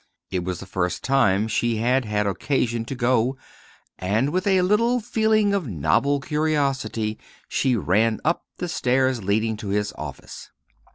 It was the first time she had had occasion to go; and with a little feeling of novel curiosity she ran up the stairs leading to his office.